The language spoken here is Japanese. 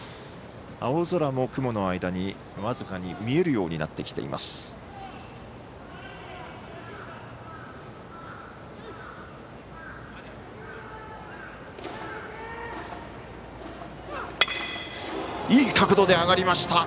青空も雲の間に僅かに見えるようになってきています。